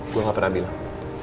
gue gak pernah bilang